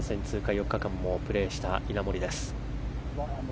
４日間もプレーした稲森です。